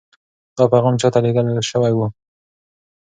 دا پیغام چا ته لېږل شوی و؟